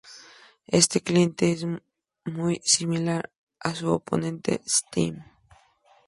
Este cliente es muy similar a su oponente Steam.